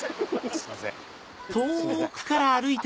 すいません。